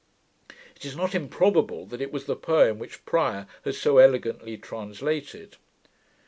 It is not improbable that it was the poem which Prior has so elegantly translated.